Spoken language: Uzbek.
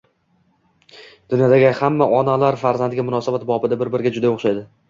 Dunyodagi hamma onalar farzandiga munosabat bobida bir-biriga juda o‘xshaydi.